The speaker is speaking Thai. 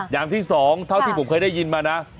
อย่างที่สองเท่าที่ผมเคยได้ยินมานะ